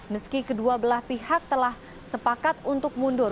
meski kedua belah pihak telah sepakat untuk mundur